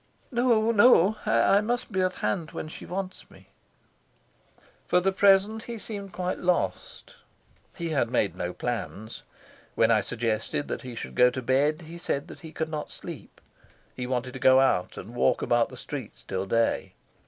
"No, no; I must be at hand when she wants me." For the present he seemed quite lost. He had made no plans. When I suggested that he should go to bed he said he could not sleep; he wanted to go out and walk about the streets till day.